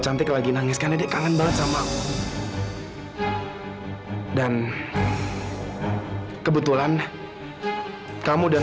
apakah aku merasakan perbedaan